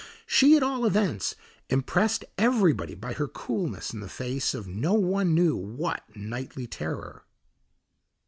She at all events impressed everybody by her coolness in the face of no one knew what nightly terror.